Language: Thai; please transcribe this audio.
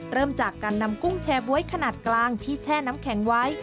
เริ่มจากการนำกุ้งแชร์บ๊วยขนาดกลางที่แช่น้ำแข็งไว้